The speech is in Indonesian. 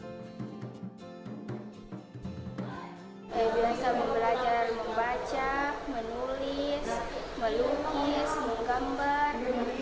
saya biasa membelajar membaca menulis melukis menggambar